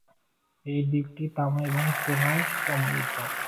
এই দ্বীপটি তামা এবং সোনায় সমৃদ্ধ।